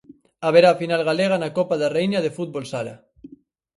Haberá final galega na Copa da Raíña de fútbol Sala.